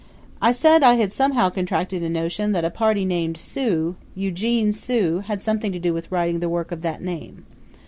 I said I had somehow contracted a notion that a party named Sue Eugene Sue had something to do with writing the work of that name.